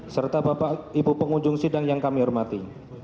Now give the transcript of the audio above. serta bapak ibu pengunjung sidang yang kami hormati